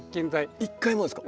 一回もですか？